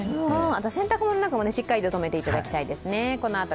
洗濯物もしっかりととめていただきたいですね。